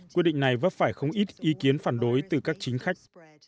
quyết định này vấp phải không ít ý kiến phản đối từ các chính khách